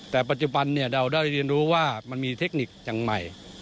แต่ปัจจุบันเราได้เรียนรู้ว่ามันมีเทคนิคอย่างใหม่